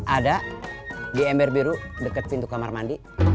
ada di ember biru dekat pintu kamar mandi